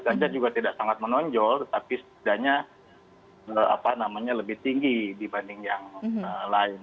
ganjar juga tidak sangat menonjol tapi setidaknya lebih tinggi dibanding yang lain